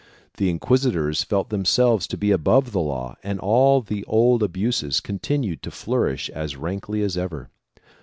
The inquisitors felt themselves to be above the law and all the old abuses continued to flourish as rankly as ever.